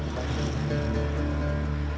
tahlilan itu biasa